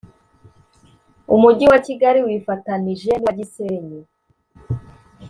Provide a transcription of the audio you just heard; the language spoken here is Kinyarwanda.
Umujyi wa Kigali wifatanije nuwa Gisenyi